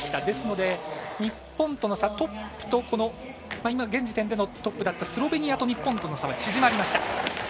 ですので日本との差、現時点でのトップだったスロベニアと日本との差は縮まりました。